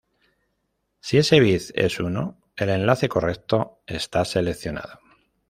Si ese bit es uno, el enlace correcto está seleccionado.